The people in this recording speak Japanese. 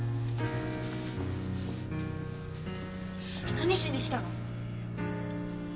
何しに来たの？